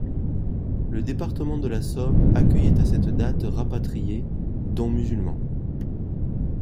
Le département de la Somme accueillait à cette date rapatriés, dont musulmans.